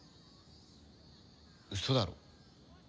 嘘だろ？